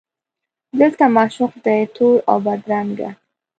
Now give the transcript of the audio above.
دلته معشوق دی تور اوبدرنګه